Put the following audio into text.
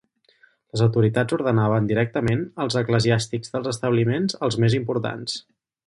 Les autoritats ordenaven directament els eclesiàstics dels establiments els més importants.